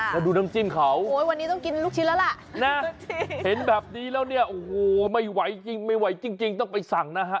มาดูน้ำจิ้นเค้าเห็นแบบนี้แล้วเนี่ยไม่ไหวกิ่งต้องไปสั่งนะฮะ